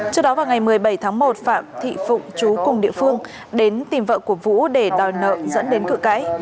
trước đó vào ngày một mươi bảy tháng một phạm thị phụng chú cùng địa phương đến tìm vợ của vũ để đòi nợ dẫn đến cự cãi